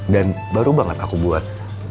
dan baru banget aku buat